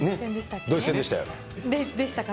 ドイツ戦でしたよ。